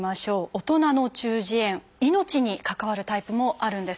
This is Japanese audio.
大人の中耳炎命に関わるタイプもあるんです。